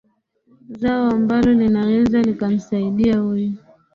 zao ambalo linaweza likamsaidia huyu